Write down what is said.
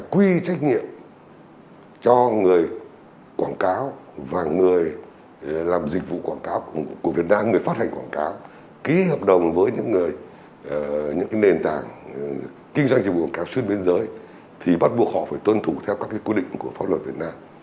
quy trách nhiệm cho người quảng cáo và người làm dịch vụ quảng cáo của việt nam người phát hành quảng cáo ký hợp đồng với những người những nền tảng kinh doanh dịch vụ quảng cáo xuyên biên giới thì bắt buộc họ phải tuân thủ theo các quy định của pháp luật việt nam